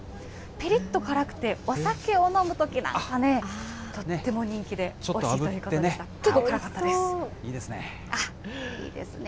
ぴりっと辛くて、お酒を飲むときなんかね、とっても人気で、おいしいということでちょっとあぶってね。